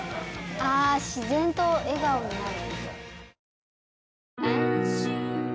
ああ自然と笑顔になる